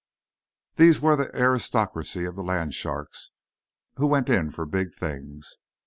These were the aristocracy of the land sharks, who went in for big things.